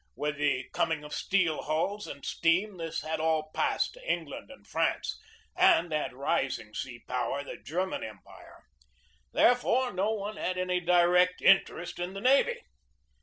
With the coming of steel hulls and steam this had all passed to England and France, and that rising sea power, the German Empire. Therefore, no one had any direct interest in the navy.